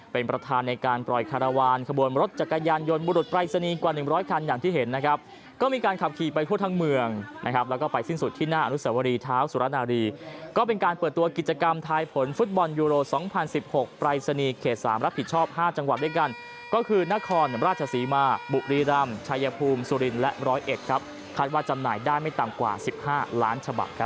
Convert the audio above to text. เป็นประธานในการปล่อยคารวาลขบวนรถจักรยานยนต์บุรุษปลายศนีย์กว่า๑๐๐กันอย่างที่เห็นนะครับก็มีการขับขี่ไปทั่วทางเมืองนะครับแล้วก็ไปสิ้นสุดที่หน้าอนุสาวรีเท้าสุรณารีก็เป็นการเปิดตัวกิจกรรมทายผลฟุตบอลยูโร๒๐๑๖ปลายศนีย์เขต๓รับผิดชอบ๕จังหวัดด้วยกันก็คือนครราชสีมาบุรีร